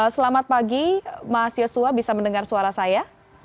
selamat pagi mas yosua bisa mendengar suara saya